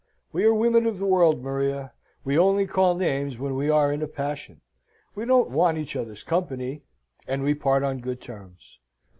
We are women of the world, Maria. We only call names when we are in a passion. We don't want each other's company; and we part on good terms.